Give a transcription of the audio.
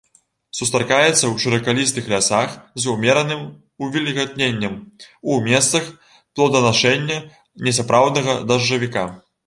Сустракаецца ў шыракалістых лясах з умераным увільгатненнем, у месцах плоданашэння несапраўднага дажджавіка.